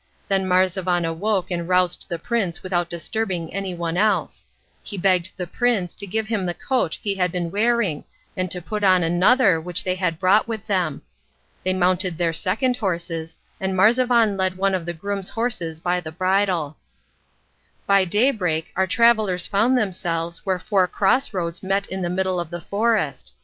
Then Marzavan awoke and roused the prince without disturbing anyone else. He begged the prince to give him the coat he had been wearing and to put on another which they had brought with them. They mounted their second horses, and Marzavan led one of the grooms' horses by the bridle. By daybreak our travellers found themselves where four cross roads met in the middle of the forest.